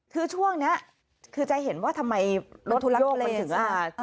คือช่วงนี้คือใจเห็นว่าทำไมรถโยกมันถึง